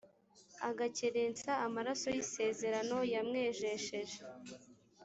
agakerensa amaraso y isezerano yamwejesheje